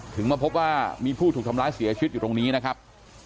มาพบว่ามีผู้ถูกทำร้ายเสียชีวิตอยู่ตรงนี้นะครับ